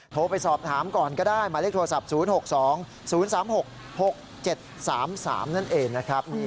โทรไปสอบถามก่อนก็ได้หมายเลขโทรศัพท์๐๖๒๐๓๖๖๗๓๓นั่นเองนะครับ